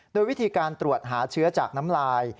โดยวิธีการตรวจหาเชื้อจากน้ำลาย